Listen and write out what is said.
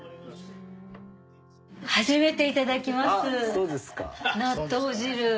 初めていただきます納豆汁。